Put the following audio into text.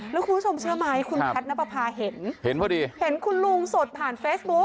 แล้วคุณผู้ชมเชื่อไหมคุณแพทย์นับประพาเห็นเห็นพอดีเห็นคุณลุงสดผ่านเฟซบุ๊ค